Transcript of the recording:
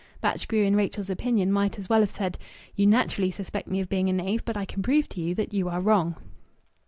Batchgrew, in Rachel's opinion, might as well have said, "You naturally suspect me of being a knave, but I can prove to you that you are wrong."